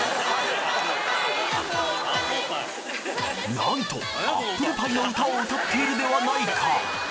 なんとアップルパイの歌を歌っているではないか！